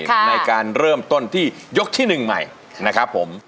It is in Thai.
ในการเริ่มต้นที่ยกที่หนึ่งใหม่นะครับผม